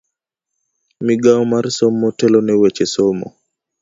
Migao mar somo telo ne weche somo.